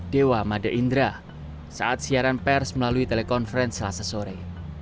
dewa mada indra saat siaran pers melalui telekonferensi selasa sore